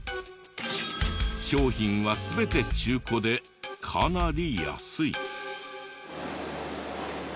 商品は全て中古でかなり安い。